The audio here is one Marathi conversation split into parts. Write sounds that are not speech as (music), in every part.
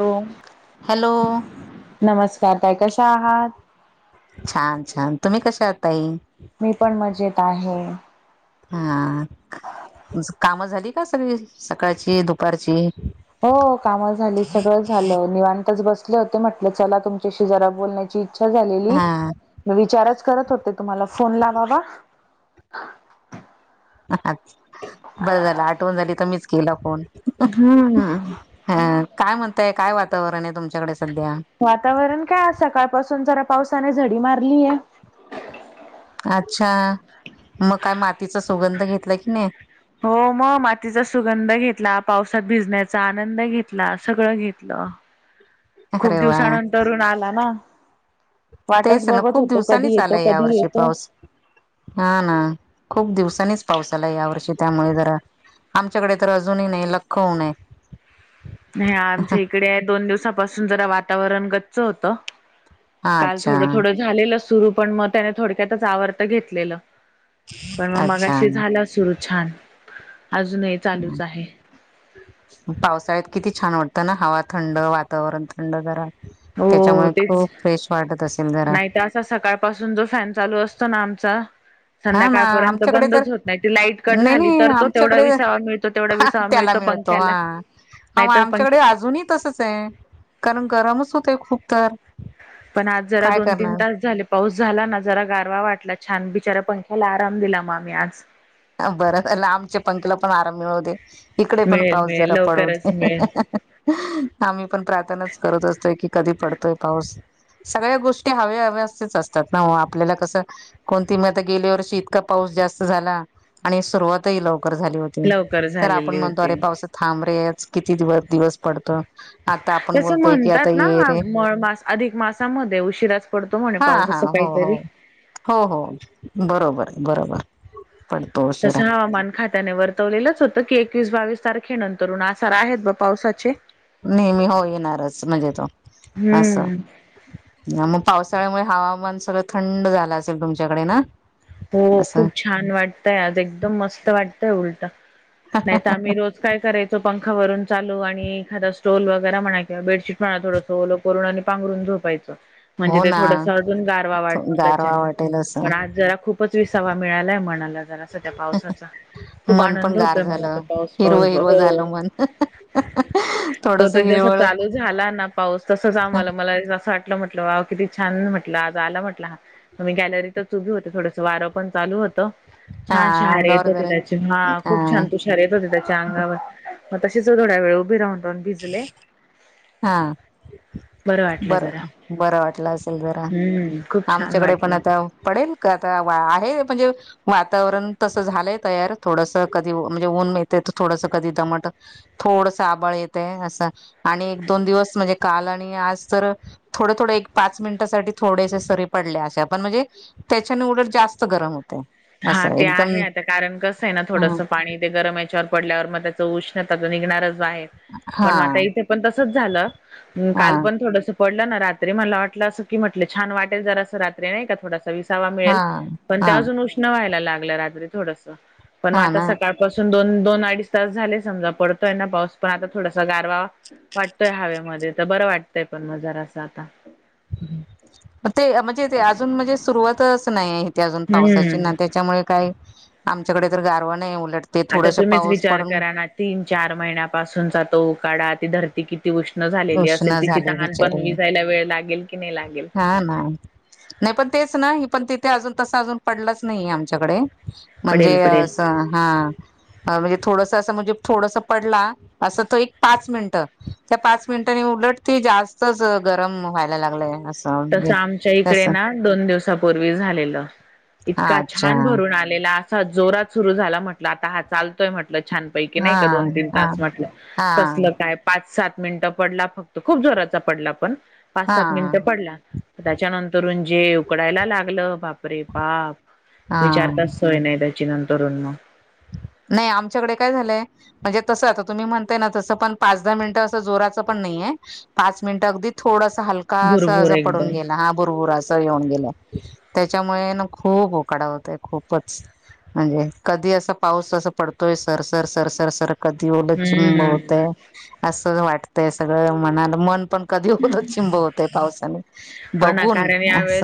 हॅलो हॅलो नमस्कार ताई कशा आहात. छान- छान तुम्ही कशा आहात ताई. मी पण मजेत आहे. हा कामं झाली का सगळी सकाळची दुपारची हो काम झाली सगळं झालं निवांतच बस हो म्हटल चला तुमच्याशी जरा बोलण्याची इच्छा झालेली हा विचारच करत होते तुम्हाला फोन लावावा. बरं झालं आठवण झाली तर मीच केला फोन हा ना हा काय म्हणताय काय वातावरण आहे तुमच्याकडे सध्या वातावरण काय सकाळ पाासून जरा पावसाने झडी मारलीय. अच्छा, मग काय मातीचा सुगंध घेतलाय की नाही. हो मग मातीचा सुगंध घेतला. पावसात भिजण्याचा आनंद घेतला. सगळं घेतलं. (inaudible) खूप अरे वा दिवसानंतरून आला ना वाटच तेच ना बघत खूप होतो कधी दिवसांनीच येतो आलाय या कधी वर्षी येतो. पाऊस. हा ना खूप दिवसाांनीच पाऊस आलाय या वर्षी त्यामुळे जरा आमच्याकडे तर अजूनही नाही लख्ख ऊन आहे. नाही आमच्या इकडे दोन दिवसापासून जरा वातावरण गच्च होत. काल अच्छा थोडं थोडं झालेलं सुरू पण मग त्याने थोडक्यातच आवर्त घेतलेलं. पण मग अच्छा मगाशी झाला सुरू छान. अजूनही चालूच आहे. पावसाळ्यात किती छान वाटतं ना हवा थंड वातावरण थंड जरा हो त्याच्यामुळे तेच खूप फ्रेश वाटत असेल जरा नाही तर असा सकाळ पासून जो फॅन चालू असतो ना आमचा हा ना संध्याकाळपर्यंत आमच्याकडे तर बंदच होत नाही. त लाईट कट नाही झाली नाही तर तो तेवढा विसावा मिळतो. तेवढा विसावा मिळ खायला मिळतो हां आमच्या कडे अजून ही तसच आहे. कारण गरमच होतय खू खूप तर पण आज जरा काय दोन तीन करणार तास झाले पाऊस झाला ना जरा गारवा वाटला छान बिचऱ्या पंख्याला आराम दिला म आम्ही आज ह बरं झालं आमच्या पंख्याला पण आराम मिळु दे. इकडे पण मिळेल पाऊस मिळेल जरा पडू लवकरच दे. मिळेल आम्ही पण प्रार्थनाच करत असतोय की कधी पडतोय पाऊस. सगळ्या गोष्टी हव्या -हव्या असेच असतात ना हो आपल्याला कसं कोणती ती मध्ये गेल्या वर्षी इतका पाऊस जास्त झाला. आणि सुरुवातही लवकर झाली होती. लवकर तर आपण झालेली म्हणतो अरे होती पावस थांब रेच किती दिवस- दिवस पडतं. तस म्हणतात ना रे म मास अधिक मासामध्ये उशिरास पडतो म्हणे हा पाऊस. असं हो हो काहीतरी हो हो बरोबर बरोबर पडतो उशिरा. तसं हवामान खात्याने वर्तवलेलंच होतं. की एकवीस बावीस तारखे नंतरून आसार आहेत बवा पावसाचे नेहमी हो येणारच म्हणजे तो अस हम्म मग पाऊस त्यामुळे हवामान सगळं थंड झालं असेल तुमच्याकडे ना हो असं खूप छान वाटतय आज एकदम मस्त वाटतंय उलट - नाही तर आम्ही रोज काय करायचो पंख - एकावरून चालू आणि एखादा स्टोल वगैर म्हणा किंवा बेडशीट म्हणा थोडंसं ओलं करून आणि पांगरून झोपायचं. म्हणजे हो ते ना थोडस अजून गारवा वाटतो त्याच्या गारवा वाटेल असं पण आज जरा खूप - पाच विसावा मिळालाय म्हणाला जरा सध्या पावसाचा - खूप मन पण आनंद गार होतोय मला झालं तर पाऊस हिरवं -पाऊस हिरवं झालं बघून मन - तो थोडस तर जस हिरवळ चालू झाला ना पाऊस तसच आम्हाला मला - अस वाटलं म्हटलं किती छान म्हटलं आज आला म्हटलं मी गॅलरीतच च उभी होते थोड - वारं पण ल होत हा छान शहार येत अंगावर होती जरा त्याचे हा खूप छान तुषार येत होते त्याच्या अंगावर मग तशीच थोड्या वेळ उभी राहून राहून भिजले बरं वाटलं बर जरा बरं वाटलं असेल जरा हम्म खूप छान आमच्याकडे पण वाटलं आता पडेल आता आहे म्हणजे वातावरण तसं झालंय तयार थोडस कधी म्हणजे ऊन मिळ थोडस कधमट थोड आळ अस आणि एक दोन दिवस म्हणजे काल आणि आज तर थोड थोड पाच मिनिटासाठी थो सरी पडल्याश पण म्हणजे त्याच्याने उलट जास्त गरम होत हा ते आहे आता कारण कस आहे ना थोडस हा पाणी ते गरम याच्यावर पडल्यावर मग उष्णता निघणारच पण आता हा इथे पण तसच झालं काल पण थोड पडलं ना रात्री मला वाटलं असं की म्हटलं छान वाटेल जरा असं रात्री नाही का थड विसावा मिळेल हा पण हा त्या अजून उष्ण व्हायला लागलं रात्री थोड पणग हा आता ना सकाळ पाून दोन दोन अडी तास झाले समजा पडतोय ना पाऊस पण आता थोडासा गारवा वाटतोय हवेमध्ये तर बरं वाटतंय पण मजार अस आता ते म्हणजे ते अजून म्हणजे सुरुवातच नाही आहे अजून पावसाची हम्म ना त्याच्यामुळे काही आमच्याकडे तर गारवा नाही उलट ते आता थोडस तुम्हीच पाऊस विचार पडून करा ना तीन चार महिन्यापासूनचा तो उकाडा ती धरती किती त उष्ण झालेली उष्ण असेल तिची झाली तहान पण बिचारी विजायला वेळ लागेल कि नाही लागेल हा ना नाही पण तेच ना ह पण तिथे अजून प आ म्हणण म्हण पडेल पडेल. च मि मिनटनी उलट जास्तच गरम व्हायला लागलय तसं आमच्या इकडे ना दोन दिवसापूर्वी झालेलं इतका अच्छा छान भरून आलेला असा जोरात सुरू झाला म्हटलं आता हा चालतोय म्हटलं छानपैकी नाही हा का दोन तीन हा तास म्हटलं हा कसलं काय पाच सात मिनिटं पडला फक्त खूप जोराचा पडला पण पाच सात हा मिनिटं पडला त्याच्यानंतरून जे उकडायला लागलं बापरे बाप हा विचारताचतोय नाही त्याची नंतरुन नाही आमच्याकडे काय झालंय म्हणजे तस आता तुम्ही म्हणताय ना तसं पण पाच दहा मिनिटं असं जोराचं पण नाहीे पाच मिनट अगदी थोड हलका अस भुरभुर अस पडून एकदम गेला हा बुरबुर येऊन गेल्या त्याच्यामुळे ना खूप उकडा होतय खूपच म्हणजे कधी असं पाऊस अस पडतोय sir sir sir sir sir कधी ओल चिंब हम्म होतय असं वाट सगळं म मन पण कधी उलक्षिं बवत आहे पावसाने हो ना बघून कारण अस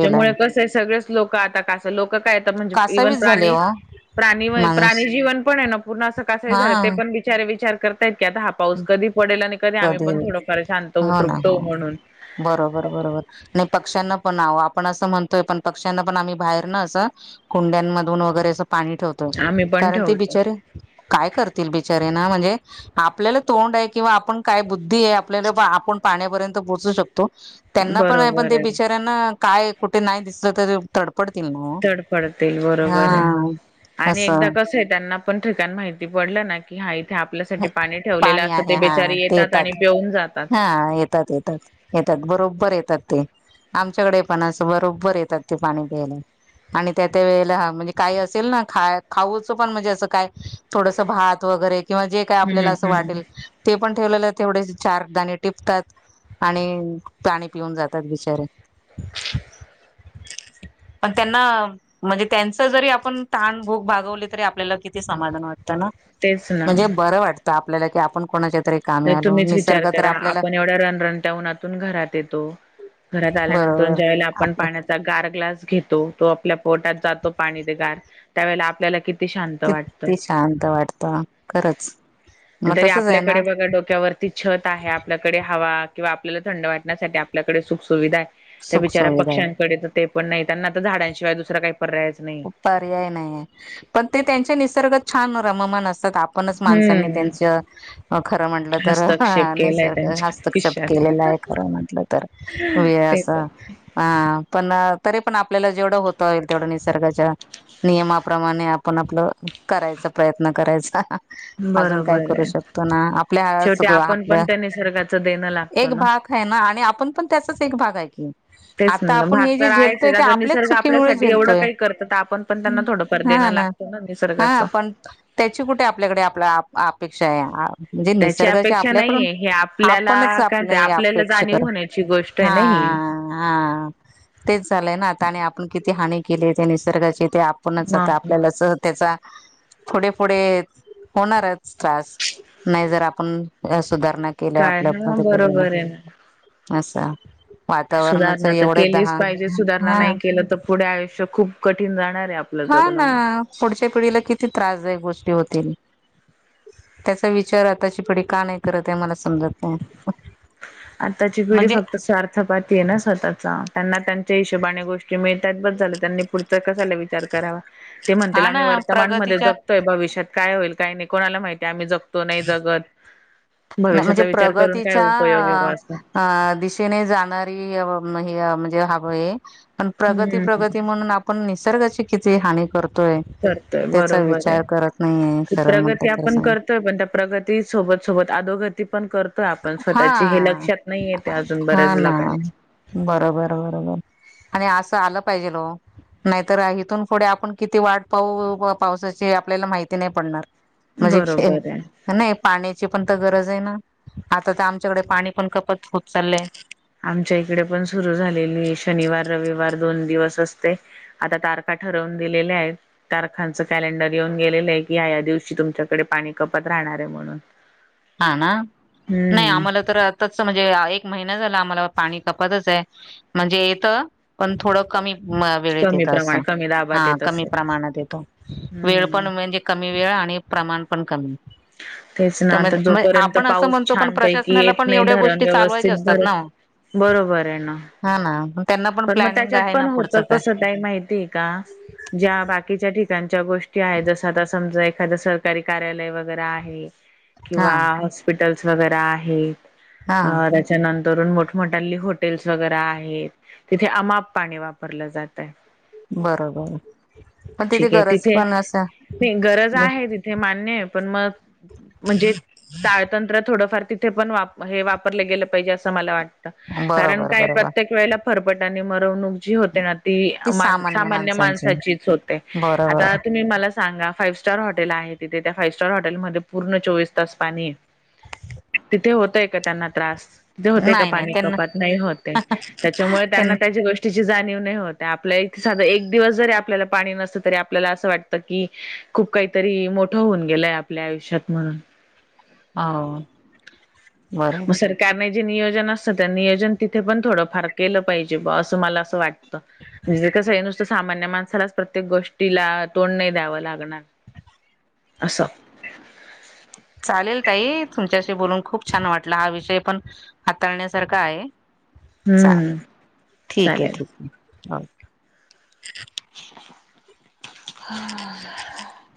त्यामुळे कस सग लोक आो काय म्हणजे इव्हन कासावीस झाले प्राणी हो प्राणी माणूस प्राणी जीवन पण आहे ना पूर्ण असं कसं हा झालं ते पण विचारे विचार करतायत की आता हा पाऊस कधी पडेल आणि कधी आम्ही पण थोडंफार शांत हो ना हो उतरुकतो म्हणून बरोबर बरोबर नाही पक्षांना ण आपण असं म्हणतोय पण पक्ष्यांना पण आम्ही बाहेर ना असं कुंड्यांमधून वगैरे पाणी ठेवतोय आम्ही पण कारण ते ठेवतो. बिचारे काय करतील बिचारेना म्हणजे आप आपल्याला तोंड आहे किंवा आपण काय बुद्धी आहे आपल्याला आपण पाण्यापर्यंत पोचू शकतो त्यांना पण पण बरोबर ते आहे बिचाऱ्यांना काय कुठे नाही दिसलं तरी तड तड पडतील बरोबर आहे आणि एकदा असं कस आहे त्यांना पण ठिका माहिती पडलं ना की हा आपल्यासाठी पाणी ठेवलेलं असं ते आहे हा बेचारी ते येतात आणि पिऊन जातात हा येतात येतात येतात बरोबर येतात ते आमच्याकडे पण असं बरोबर येतात ते पाणी प्यायला आणि त्या त्या वेळेला म्हणजे काही असेल ना खा खाऊचं पण म्हणजे असं काय थोडस भात वगैरे किंवा जे काय आपल्याला हम्म असं हम्म वाटेल ते पण ठेवलेलं तेवढे चारदाणे टिपतात आणि पाणी पिऊन जातात बिचारे पण त्यांना म्हणजे त्यांच जरी आपण ताण भूक भागवली तरी आपल्याला किती समाधान वाटतं ना तेच ना. म्हणजे बरं वाटतं आपल्याला की आपण कोणाच्या तरी कामी तर आलो तुम्हीच विचार निसर्ग तर करा आपल्याला आपण एवढ्या रनरनट्या उन्हातून घरात येतो घरात आल्यानंतर बरोबर ज्या वेळेला आपण आप पाण्याचा गार ग्लास घेतो तो आपल्या पोटात जातो पाणी ते गार त्यावेळेला आपल्याला किती शांत वाटतं. किती शांत वाटत खरंच मग तसंच आहे ना! डोक्या वरती छत आहे आपल्याकडे हवा किंवा आपल्याला थंड वाटण्यासाठी आपल्याकडे सुख सुुविधा आहे. त्या सुख बिचाऱ्या सुविधा आहे पक्ष्यांकडे तर ते पण नाही त्यांना आता झाडांशिवाय दुसरं काही पर्यायच नाही. पर्याय नाही आहे पण ते त्यांच्या निसर्गात छान रममान अस आपणच माणसांनी हम्म त्यांच खरं म्हटलं तर हस्तक्षेप केलाय निसर्ग त्यांच्या हस्तक्षेप के आयुष्यात आहे खरं म्हटलं तर वेळ ते असं पण आं पण तरी पण आपल्याला जेवढं होत होईल तेवढं निसर्ग नियमाप्रमाणे आपण आपलं करायचा प्रयत्न करायचा अजून काय बरोबर करू आहे. शकतो ना आपल्या शेवटी सगळ आपण पण आपल्या त्या निसर्गाचं देणं लागतो एक ना. भाग ह ना आणि आपण पण त्याचाच एक भाग आहे की तेच आता ना आपण भाग हे जे तर आहेच झेलतोय ते आता आपल्याच निसर्ग चुकीमुळे आपल्यासाठी एवढं झेलतोय काही करतं तर आपण पण त्यांना थोडंफार हा देणं ना लागतं हा निसर्गाचं. पण त्याची कुठे आपल्याकडे आपल्या अपेक्षा हां म्हणजे त्याची निसर्गाचे अपेक्षा नाहीये हे आपल्याकडूना आपणच आपल्याला काय ते आपले आपल्याला अपेक्षा जाणीव कर होण्याची गोष्ट आहे ना ही. हां ह हा तेच झालंय ना आणि आपण किती हानी केले ते निसर्गाचे ते आपणच आता मग आपल्याला सह त्याचा पुढे पुढे होणारच त्रास नाही जर आपण सुधारणा केल्या काय आपल्या हा पर्यंत बरोबर आहे ना. पोचायल असं वातावरणाच सुधारणा तर एवढे केलीच दहा पाहिजे सुधारणा हां नाही केलं तर पुढे आयुष्य खूप कठीण जाणार आहे आपलं हा जगणं. ना मग. पुढच्या पिढीला किती त्रासदायक गोष्टी होतील त्याचा विचार आताची पिढी का नाही करत आहे मला समजत नाही आत्ताची पिढी म्हणजे फक्त स्वार्थपाती आहे ना स्वतःचा त्यांना त्यांच्या हिशोबाने गोष्टी मिळतात बस झालं त्यांनी पुढचं क विचार कराण हा आम्ही ना वर्तमान मध्ये प्रगतीच्या जगतोय भविष्यात काय होईल काही नाही कोणाला माहिती आम्ही जगतो नाही जगत म्हणजे भविष्याचा विचार करून काय उपयोग आहे प्रगतीच्या बा असं दिशेने जाणारी म्हणजे हय पण प्रगती हम्म प्रगती म्हणून आपण निसर्गाची किती हानी करतो करतोय बरोबर नाहीये आहे खरं म्हणत प्रगती तर आपण सांग करतोय पण त्या प्रगती सोबत सो सोबत आदोगती पण करतोय आपण हा स्वतःची हे लक्षात नाही येते अजून बऱ्याच लोकां बरं बरं बरं आणि असं आलं पायजेल ओ नाहीतर हिथून पुढे आपण किती वाट पाहू पावसाची आपल्याला माहिती नाही पडणार म्हणजे बरोबर आहे नाही पाण्या ची पण गरज आहे ना आता तर आमच्याकडे पाणी पण कपत होत चाललंय आमच्या इकडे पण सुरू झालेली शनिवार रविवार दोन दिवस असते आता तारखा ठरवून दिलेल्यात तारखांच कॅलेडर येऊन गेले आहे की या या दिवशी तुमच्याकडे पाणी कपात रा राहणार म्हणून हा ना नाही हम्म आम्हाला तर आताच म्हणजे एक महिना झाला आम्हाला पाणी कपातच आहे म्हणजे येतं पण थोडं कमी वेळेत कमी येतं प्रमाण असं कमी हा दाबात येत कमी असेल प्रमाणात येतो वेळ पण हम्म. म्हणजे कमी वेळ आणि प्रमाण पण कमी तेचना तर जो मग र्यंत आपण असं पाऊस म्हणतो पण छानपैकी प्रशासनाला येत पण नाही एवढ्या धरण गोष्टी चालवायच्या व्यवस्थित असतात भर ना ओ. बरोबर आहे ना हा ना त्यांना पण मग प्लॅनिंग त्याच्यात आहे ना पण होत पुढचं काय कस का माहितीय का ज्या बाकीच्या ठिकाणी गोष्टी आहे जस आता समजा एखादं सरकारी कार्यालय वगैरे आहे हा किंवा हॉस्पिटल्स वे आहेत हा त्याच्यानंतर तरुून मोठमोठ्यांली हॉटेल्स वगैरे आहेत तिथे अमाप पाणी वापरलं जात आहे बरोबर पण तिथे ठीक आहे गरज पण असं तिथे गरज आहे तिथे मान्य पण मग म्हणजे ताळतंत्र थोडफार तिथे पण वापरले गेलं पाहिजे अस मला वाटत कारण बरोबर काय बरोबर प्रत्येक वेळे फरपटा आणि मरवणूक जी होते ना ती मा सामान्य माणसाचीच होते आता बरोबर तुम्ही मला सांगा फाइव स्टार हॉटेल आहे तिथे त्या फाइव्ह स्टार हॉटेलमध्ये पूर्ण चोवीस तास पाणी तिथे होतय का त्यांना त्रास ते होते का नाही नाही पाणी त्यांना कपात नाही होते त्याच्यामुळे त्यांना त्याच्या गोष्टी वत आपल्या इ साध एक दिवस जरी आपल्याला पाणी नस तरी आपल्याला असं वाटत की खूप काहीतरी मोठं होऊन गेलंय आपल्या आयुष्यात म्हणून हो मग बरोबर सर काय माहीत न जे नियोजन असत नियोजन तिथे पण थोडं फार केलं पाहिजे बा असं मला असं वाट म्हणे कसं हे नुसतं सामान्य माणसालाच प्रत्येक गोष्टीला तोंड नाही द्यावं लागणार. असं चालेल ताई तुमच्याशी बोलून खूप छान वाटला हा विषय पण हाताळण्यासारखा आहे चालेल हम्म. ठीक आहे चालेल. ठीक आहे क हज